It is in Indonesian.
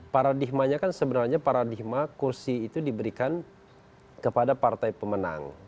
paradigmanya kan sebenarnya paradigma kursi itu diberikan kepada partai pemenang